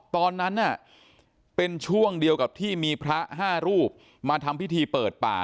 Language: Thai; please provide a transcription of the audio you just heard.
ตอนนั้นเป็นช่วงเดียวกับที่มีพระ๕รูปมาทำพิธีเปิดป่า